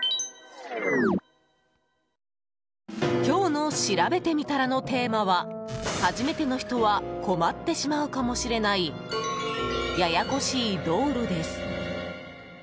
今日のしらべてみたらのテーマは初めての人は困ってしまうかもしれないややこしい道路です。